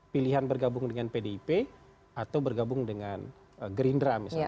pilihan bergabung dengan pdip atau bergabung dengan gerindra misalnya